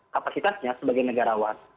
kapasitasnya sebagai negarawan